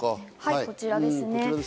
こちらですね。